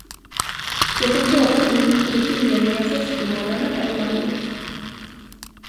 Så kom frågan in på de tillgängliga freskomålarna här i landet.